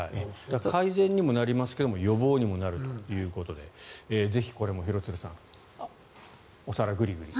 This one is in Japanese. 改善にもなりますが予防にもなるということでぜひこれも廣津留さんお皿グリグリ。